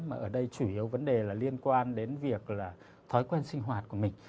mà ở đây chủ yếu vấn đề là liên quan đến việc là thói quen sinh hoạt của mình